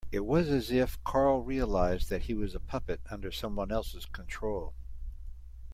It was as if Carl realised that he was a puppet under someone else's control.